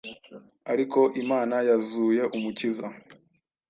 Ariko Imana yazuye umukiza